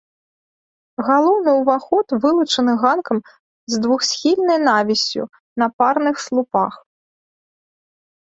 Галоўны ўваход вылучаны ганкам з двухсхільнай навіссю на парных слупах.